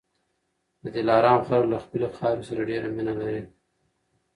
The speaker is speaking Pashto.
د دلارام خلک له خپلي خاورې سره ډېره مینه لري